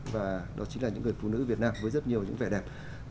và đó chính là những người phụ nữ việt nam với rất nhiều những vẻ đẹp